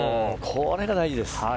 これが大事です。